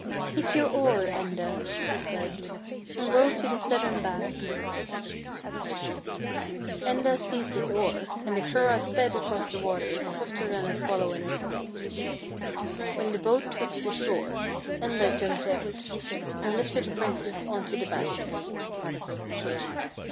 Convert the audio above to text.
" Take your oar, Enda," she said, " and row to the southern bank." Enda seized his oar, and the curragh sped across the waters swifter than a swallow in its flight. When the boat touched the shore Enda jumped out, and lifted the princess on to the bank.